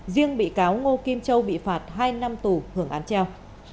riêng bị cáo ngô kim châu bị phạt hai năm tù hưởng án treo